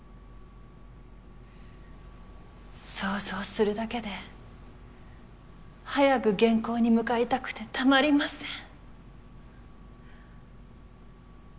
想像するだけで早く原稿に向かいたくて堪りません。